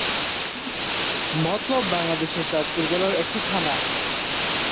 মতলব বাংলাদেশের চাঁদপুর জেলার একটি থানা।